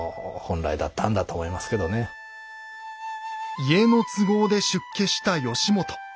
家の都合で出家した義元。